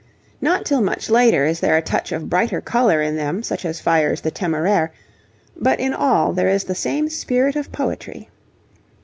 Not till much later is there a touch of brighter colour in them such as fires the 'Temeraire,' but in all there is the same spirit of poetry.